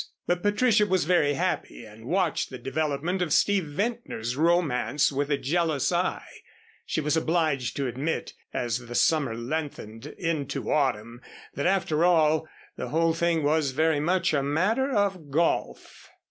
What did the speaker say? But Patricia was very happy and watched the development of Steve Ventnor's romance with a jealous eye. She was obliged to admit, as the summer lengthened into autumn, that after all, the whole thing was very much a matter of golf.